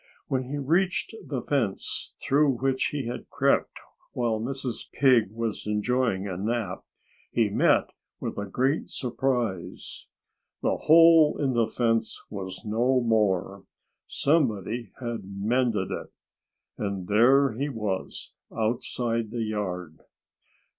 When he reached the fence through which he had crept while Mrs. Pig was enjoying a nap, he met with a great surprise. The hole in the fence was no more! Somebody had mended it. And there he was, outside the yard!